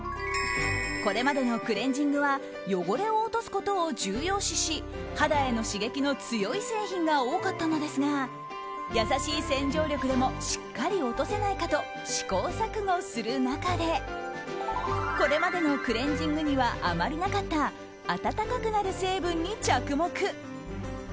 これまでのクレンジングは汚れを落とすことを重要視し肌への刺激の強い製品が多かったのですが優しい洗浄力でもしっかり落とせないかと試行錯誤する中でこれまでのクレンジングにはあまりなかった温かくなる成分に着目。